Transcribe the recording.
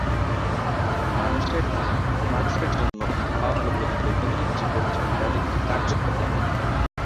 মানুষের জন্য, খাওয়া হল দৈনন্দিন জীবনযাত্রার একটি কার্যকলাপ।